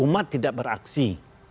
umat tidak beraksi